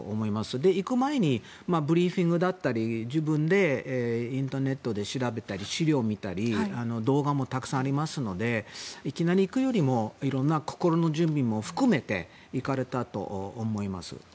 そして、行く前にブリーフィングだったり自分でインターネットで調べたり資料を見たり動画もたくさんありますのでいきなり行くよりもいろんな心の準備も含めて行かれたと思います。